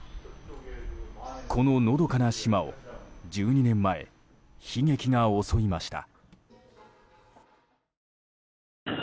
こののどかな島を１２年前悲劇が襲いました。